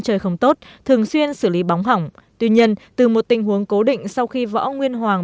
chơi không tốt thường xuyên xử lý bóng hỏng tuy nhiên từ một tình huống cố định sau khi võ nguyên hoàng